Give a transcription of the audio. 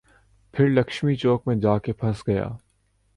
پھر لکشمی چوک میں جا کے پھنس گیا۔